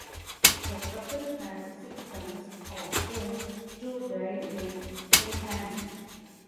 The couple had six sons, of whom two died in infancy.